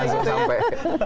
tinggal aja sampai